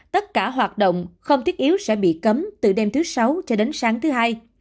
tất cả hoạt động không thiết yếu sẽ bị cấm từ đêm thứ sáu cho đến sáng thứ hai